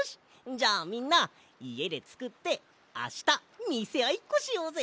じゃあみんないえでつくってあしたみせあいっこしようぜ！